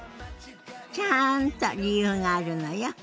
ちゃんと理由があるのよ。